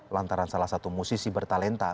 lantaran salah satu musisi bertalenta